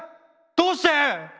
どうして？